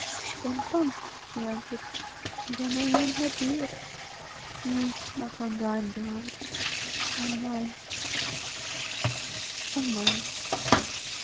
"Then come," she answered, "and on thine own head be it. Nay, not on thine beloved, on mine, on mine."